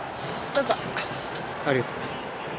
ありがとう。